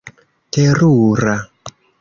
terura